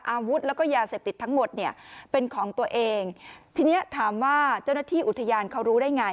อาวุธแล้วก็ยาเสพติดทั้งหมดเนี่ยเป็นของตัวเองทีนี้ถามว่าเจ้าหน้าที่อุทยานเขารู้ได้ไง